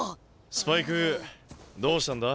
スパイクどうしたんだ？